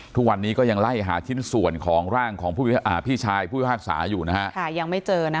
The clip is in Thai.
ทุกวันนี้ก็ยังไล่หาชิ้นส่วนของร่างของพี่ชายผู้พิพากษาอยู่นะฮะยังไม่เจอนะ